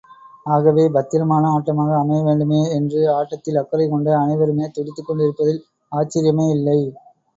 ஆகவே, பத்திரமான ஆட்டமாக அமைய வேண்டுமே என்று ஆட்டத்தில் அக்கறை கொண்ட அனைவருமே துடித்துக் கொண்டிருப்பதில் ஆச்சரியமே இல்லை.